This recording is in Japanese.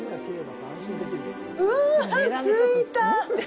うわ、着いた。